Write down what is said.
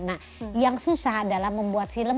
nah yang susah adalah membuat film